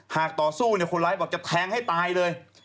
หากต่อสู้เนี่ยคนร้ายบอกจะแทงให้ตายเลย